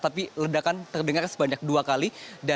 tapi ledakan terdengar sebanyak dua kali